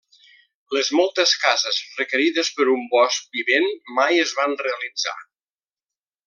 Les moltes cases requerides per un bosc vivent mai es van realitzar.